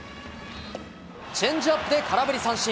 チェンジアップで空振り三振。